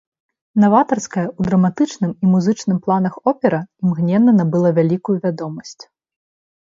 Наватарская ў драматычным і музычным планах опера імгненна набыла вялікую вядомасць.